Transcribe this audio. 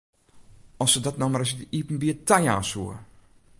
As se dat no mar ris yn it iepenbier tajaan soe!